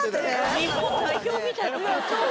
日本代表みたいなコーチ。